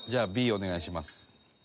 お願いします。